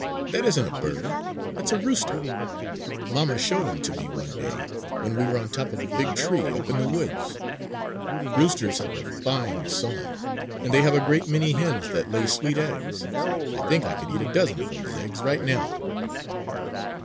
"That isn't a bird! That's a rooster! Mamma showed him to me one day, when we were on top of a big tree up in the woods. Roosters have a fine song; and they have a great many hens that lay sweet eggs. I think I could eat a dozen of those eggs, right now!"